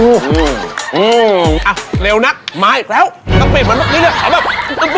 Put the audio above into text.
ต้องเปลี่ยนเหมือนเมื่อกี้เลยแบบ